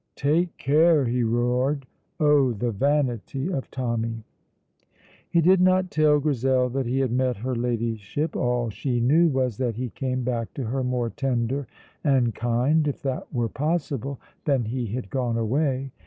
"Take care!" he roared. Oh, the vanity of Tommy! He did not tell Grizel that he had met her Ladyship. All she knew was that he came back to her more tender and kind, if that were possible, than he had gone away.